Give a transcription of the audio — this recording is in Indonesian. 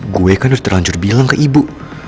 gue kan harus terlanjur bilang ke ibu